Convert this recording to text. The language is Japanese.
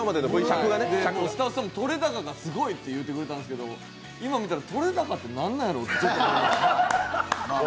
スタッフさんも撮れ高がすごいって言ってくださったんですけど今見たら、撮れ高って何なんやろ？って。